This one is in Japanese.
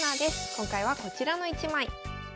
今回はこちらの一枚。